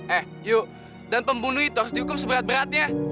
eh yuk dan pembunuh itu harus dihukum seberat beratnya